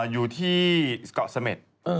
อยู่ที่เกาะเสม็ด